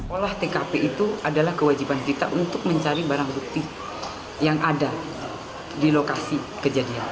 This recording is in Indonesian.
olah tkp itu adalah kewajiban kita untuk mencari barang bukti yang ada di lokasi kejadian